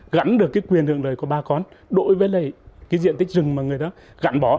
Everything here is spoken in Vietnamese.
gắn được quyền hưởng lời của ba con đổi với diện tích rừng mà người ta gắn bỏ